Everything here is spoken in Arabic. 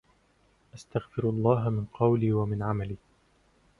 استغفر الله من قولي ومن عملي